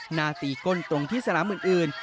หน้าตีก้นตรงที่สนามอื่น